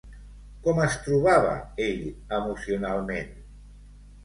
Com es trobava ell emocionalment?